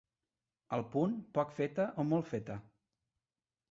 Al punt, poc feta o molt feta?